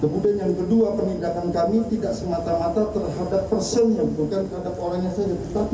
kemudian yang kedua penindakan kami tidak semata mata terhadap person yang bukan terhadap orangnya saja